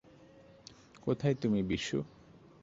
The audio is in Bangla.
কোথায় তুমি, বিশু?